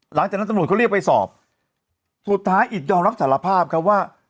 หลังจากนั้นตำรวจเขาเรียกไปสอบสุดท้ายอิตยอมรับสารภาพครับว่า